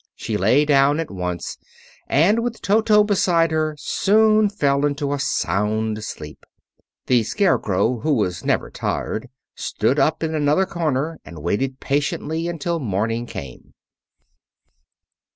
She lay down at once, and with Toto beside her soon fell into a sound sleep. The Scarecrow, who was never tired, stood up in another corner and waited patiently until morning came.